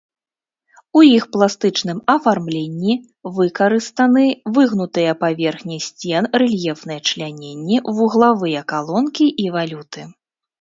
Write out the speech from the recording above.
У іх пластычным афармленні выкарыстаны выгнутыя паверхні сцен, рэльефныя чляненні, вуглавыя калонкі і валюты.